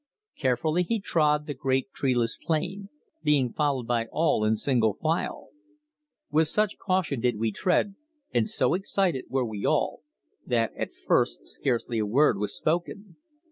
Carefully he trod the great treeless plain, being followed by all in single file. With such caution did we tread, and so excited were we all, that at first scarcely was a word spoken.